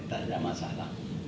tak ada masalah